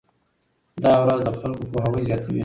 دا ورځ د خلکو پوهاوی زیاتوي.